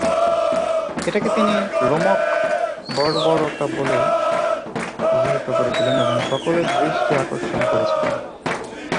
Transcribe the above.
এটাকে তিনি রোমক বর্ররতা বলে অভিহিত করেছিলেন এবং সকলের দৃষ্টি আকর্ষণ করেছিলেন।